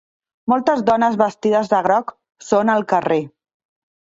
moltes dones vestides de groc són al carrer.